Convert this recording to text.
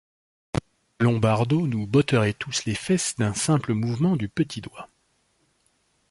Lombardo nous botterait tous les fesses d’un simple mouvement du petit doigt.